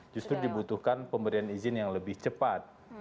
justru dibutuhkan pemberian izin yang lebih cepat